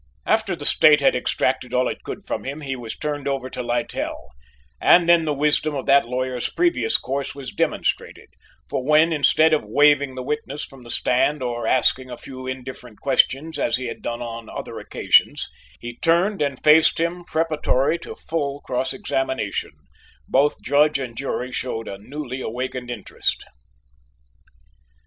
After the State had extracted all it could from him, he was turned over to Littell, and then the wisdom of that lawyer's previous course was demonstrated, for when, instead of waiving the witness from the stand or asking a few indifferent questions as he had done on other occasions, he turned and faced him preparatory to full cross examination, both Judge and jury showed a newly awakened interest.